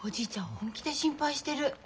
本気で心配してる。